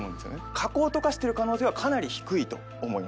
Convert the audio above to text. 加工とかしてる可能性はかなり低いと思います。